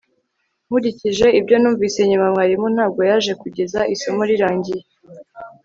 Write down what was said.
Nkurikije ibyo numvise nyuma mwarimu ntabwo yaje kugeza isomo rirangiye